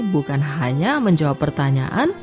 bukan hanya menjawab pertanyaan